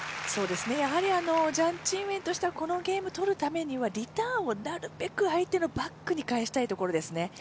ジャン・チンウェンとしてはこのゲームを取るためにはリターンをなるべく相手のバックに返したいところですね。